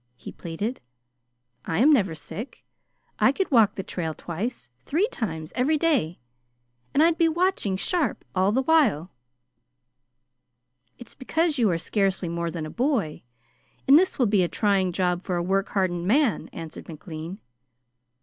he pleaded. "I am never sick. I could walk the trail twice, three times every day, and I'd be watching sharp all the while." "It's because you are scarcely more than a boy, and this will be a trying job for a work hardened man," answered McLean.